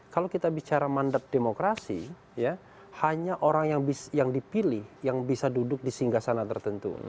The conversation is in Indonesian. kalau kita bicara mandat demokrasi hanya orang yang dipilih yang bisa duduk di singgah sana tertentu